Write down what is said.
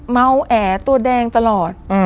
เมาแอตัวแดงตลอด